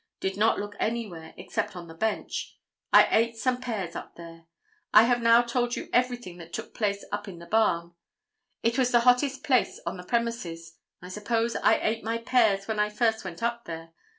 Did not look anywhere except on the bench. I ate some pears up there. I have now told you everything that took place up in the barn. It was the hottest place in the premises. I suppose I ate my pears when I first went up there.